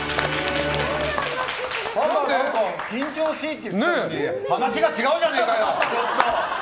緊張しいって言ってたのに話が違うじゃねえかよ！